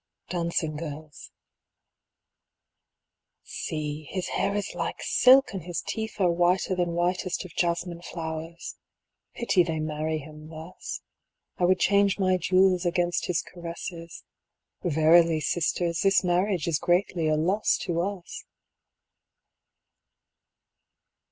Dancing Girls See ! his hair is like silk, and his teeth are whiter Than whitest of jasmin flowers. Pity they marry him thus. I would change my jewels against his caresses. Verily, sisters, this marriage is greatly a loss to us!